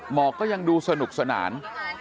หมอก็ยังดูสนุกสนาน